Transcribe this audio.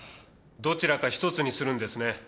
どちらか一つにするんですね。